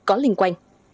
có liên quan